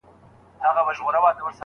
چا د غرونو چا د ښار خواته ځغستله